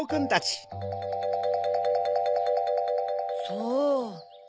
そう。